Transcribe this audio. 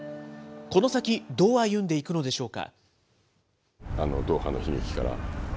この先、どう歩んでいくのでしょうか。